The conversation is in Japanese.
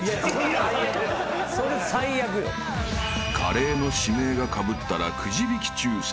［カレーの指名がかぶったらくじ引き抽選］